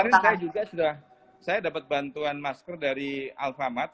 ya kita siap kemarin saya juga sudah saya dapat bantuan masker dari alfamart